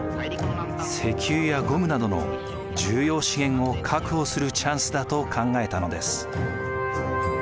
石油やゴムなどの重要資源を確保するチャンスだと考えたのです。